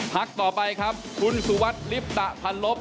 พักต่อไปครับคุณสุวัสดิลิปตะพันลบ